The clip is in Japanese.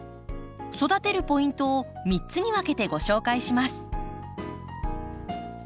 育てるポイントを３つに分けてご紹介します。